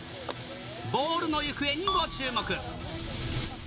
ボールの行方にご注目。